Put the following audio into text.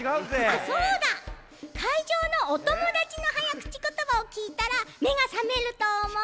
あっそうだ！かいじょうのおともだちのはやくちことばをきいたらめがさめるとおもう。